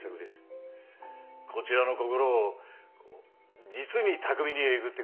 こちらの心を実に巧みにえぐってくる。